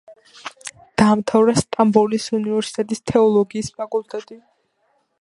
დაამთავრა სტამბოლის უნივერსიტეტის თეოლოგიის ფაკულტეტი.